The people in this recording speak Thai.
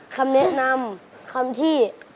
คำแนะนำคำที่